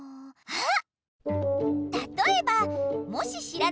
あっ！